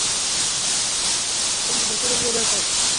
তুমি ভেতরে গিয়ে দেখো।